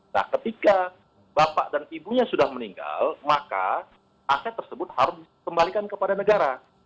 nah ketika bapak dan ibunya sudah meninggal maka aset tersebut harus dikembalikan kepada negara